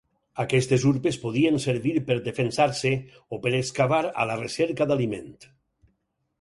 Aquestes urpes podien servir per defensar-se o per excavar a la recerca d'aliment.